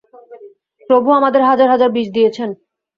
প্রভু আমাদের হাজার হাজার বীজ দিয়েছেন।